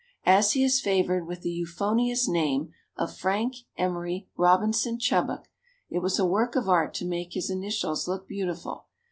As he is favored with the euphonious name of Frank Emery Robinson Chubbuck it was a work of art to make his initials look beautiful.